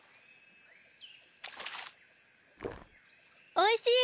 おいしい！